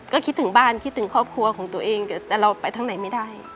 ก็คิดถึงบ้านคิดถึงครอบครัวของตัวเองแต่เราไปทั้งไหนไม่ได้